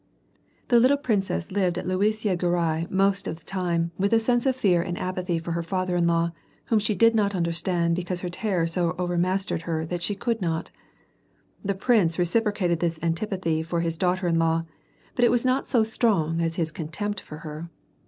The little princess lived at Luisiya Gorui, the most of the time, with a sense of fear and antipathy for her father in law, whom she did not undei stand because her terror so overmas tered her that she could not. The prince reciprocated this antipathy for his daughter in law, but it was not so strong as his contempt for her.